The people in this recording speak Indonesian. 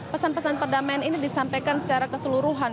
pesan pesan perdamaian ini disampaikan secara keseluruhan